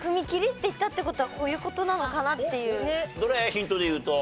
ヒントでいうと。